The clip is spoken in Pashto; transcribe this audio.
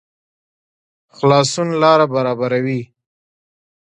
خلاصون لاره برابروي